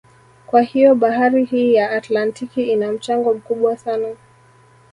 Kwa hiyo bahari hii ya Atlantiki ina mchango mkubwa sana